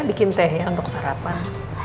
bikin saya ya untuk sarapan